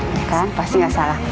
ya kan pasti nggak salah